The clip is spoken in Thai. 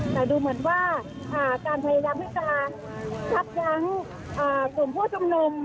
แต่ดูเหมือนว่าการพยายามที่จะยับยั้งกลุ่มผู้ชุมนุม